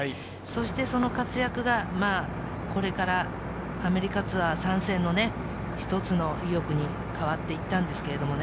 その活躍がこれからアメリカツアー参戦のひとつの意欲に変わっていったんですけれどね。